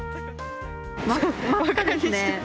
真っ赤ですね。